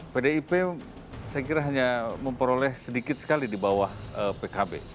pdip saya kira hanya memperoleh sedikit sekali di bawah pkb